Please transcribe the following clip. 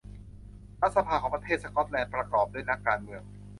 รัฐสภาของประเทศสก๊อตแลนด์ประกอบด้วยนักการเมือง